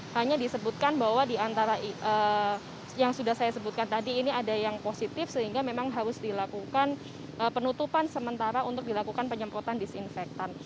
hanya disebutkan bahwa diantara yang sudah saya sebutkan tadi ini ada yang positif sehingga memang harus dilakukan penutupan sementara untuk dilakukan penyemprotan disinfektan